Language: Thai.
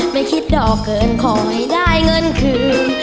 ไม่คิดดอกเกินขอให้ได้เงินคืน